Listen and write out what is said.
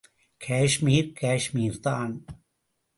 காஷ்மீர், காஷ்மீர் தான்!